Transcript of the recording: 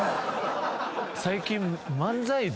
最近。